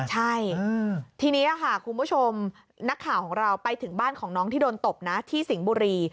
ใช่ทีนี้ค่ะคุณผู้ชมนักข่าวของเราไปถึงบ้านของน้องที่โดนตบนะที่สิงห์บุรี